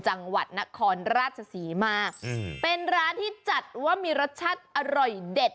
จังหวัดนครราชศรีมาอืมเป็นร้านที่จัดว่ามีรสชาติอร่อยเด็ด